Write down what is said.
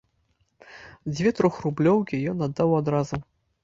Дзве трохрублёўкі ён аддаў адразу.